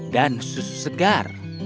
dan susu segar